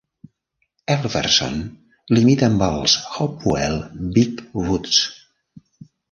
Elverson limita amb els Hopewell Big Woods.